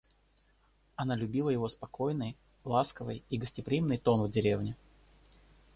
Она любила его спокойный, ласковый и гостеприимный тон в деревне.